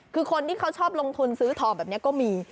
คือคนที่เขาชอบลงทุนซื้อทองแบบนี้ก็มี